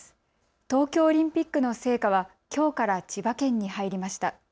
東京オリンピックの聖火はきょうから千葉県に入りました。